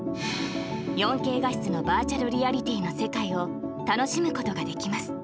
４Ｋ画質のバーチャルリアリティーの世界を楽しむことができます。